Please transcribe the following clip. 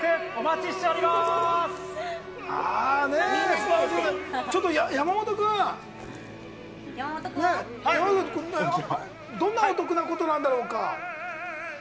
ちょっと山本君どんなお得なことなんだろうか。